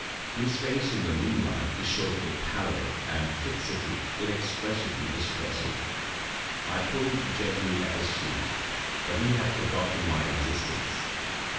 His face in the moonlight showed a pallor and fixity inexpressibly distressing. I pulled gently at his sleeve, but he had forgotten my existence.